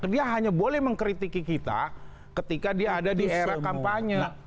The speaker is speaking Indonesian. dia hanya boleh mengkriti kita ketika dia ada di era kampanye